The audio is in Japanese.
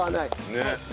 ねえ。